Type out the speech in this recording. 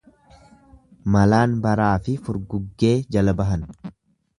Malaan baraafi furguggee jala bahan.